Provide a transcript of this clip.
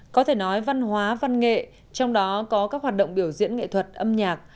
có thể nói văn hóa văn nghệ trong đó có các hoạt động biểu diễn nghệ thuật âm nhạc